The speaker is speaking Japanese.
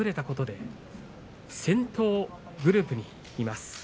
ことで先頭グループにいます。